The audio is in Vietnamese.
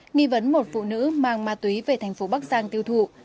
nghi vấn một phụ nữ mang ma túy về thành phố bắc giang tiêu thụ